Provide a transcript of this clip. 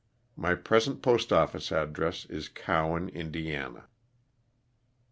My present postoffice address is Cowan, Ind. W. C.